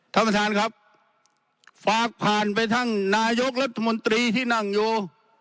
ท่านประธานครับฝากผ่านไปท่านนายกรัฐมนตรีที่นั่งอยู่